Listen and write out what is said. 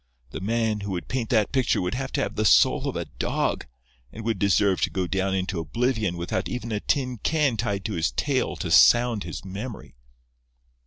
The man who would paint that picture would have to have the soul of a dog, and would deserve to go down into oblivion without even a tin can tied to his tail to sound his memory."